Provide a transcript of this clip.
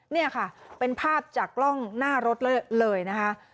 นี่ค่ะเป็นภาพจากกล้องหน้ารถเลยนะคะ